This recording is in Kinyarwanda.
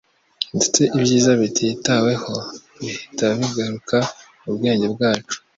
ndetse ibyiza bititaweho, bihita bigaruka mu bwenge bwacu.